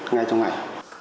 ngay trong ngày